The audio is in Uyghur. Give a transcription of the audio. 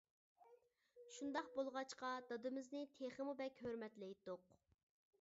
شۇنداق بولغاچقا دادىمىزنى تېخىمۇ بەك ھۆرمەتلەيتتۇق.